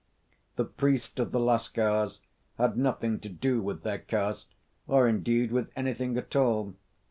The priest of the Lascars had nothing to do with their caste, or indeed with anything at all.